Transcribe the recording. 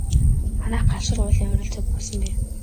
Манайх Галшар уулын ойролцоо буусан байв.